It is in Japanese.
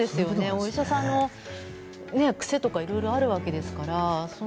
お医者さんの癖とか色々あるわけですから。